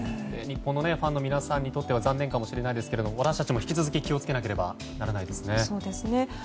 日本のファンの皆さんにとっては残念かもしれないですけど私たちも引き続き気を付けなければならないです。